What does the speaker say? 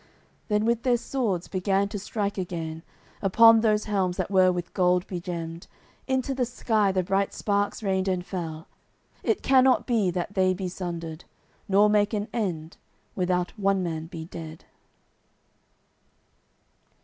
Then with their swords began to strike again Upon those helms that were with gold begemmed Into the sky the bright sparks rained and fell. It cannot be that they be sundered, Nor make an end, without one man be dead.